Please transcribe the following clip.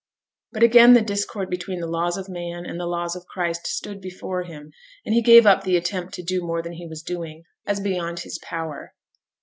But again the discord between the laws of man and the laws of Christ stood before him; and he gave up the attempt to do more than he was doing, as beyond his power.